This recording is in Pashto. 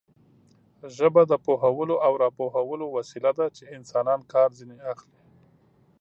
ژبه د پوهولو او راپوهولو وسیله ده چې انسانان کار ځنې اخلي.